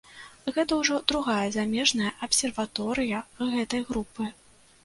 Гэта ўжо другая замежная абсерваторыя гэтай групы.